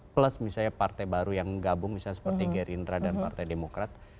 plus misalnya partai baru yang gabung misalnya seperti gerindra dan partai demokrat